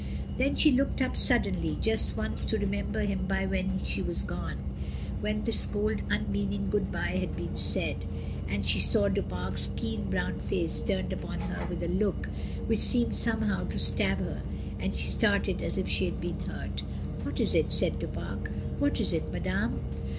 Then she looked up suddenly, just once to re member him by when she was gone, when this cold unmeaning good bye had been said; and she saw Du Fare's keen brown face turned upon her with a look which seemed somehow to stab her, and she started as if she had been hurt, "What is it?" said Du Pare. "What is it, ma dame?"